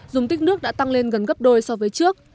dùng tích nước đã tăng lên gần gấp đôi so với trước